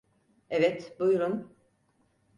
Evet, buyurun.